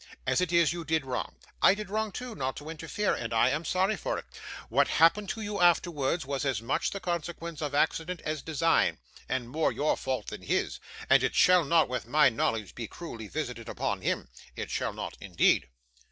As it is, you did wrong. I did wrong too, not to interfere, and I am sorry for it. What happened to you afterwards, was as much the consequence of accident as design, and more your fault than his; and it shall not, with my knowledge, be cruelly visited upon him, it shall not indeed.